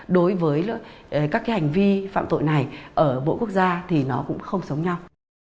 đối với các cái hành vi phạm tội này ở bộ quốc gia thì nó cũng không sống nhau